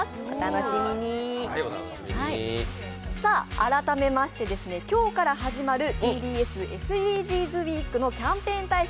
改めまして、今日から始まるＴＢＳＳＤＧｓウィークのキャンペーン大使